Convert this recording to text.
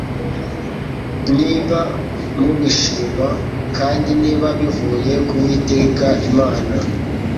niba mubishima kandi niba bivuye ku uwiteka imana